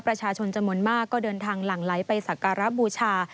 ประชาชนจำนวนมากก็เดินทางหลั่งไหลไปสักการะบูชา